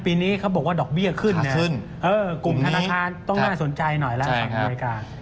ปีนี้เขาบอกว่าดอกเบี้ยขึ้นกลุ่มธนาคารต้องน่าสนใจหน่อยแล้วแข่งอเมริกา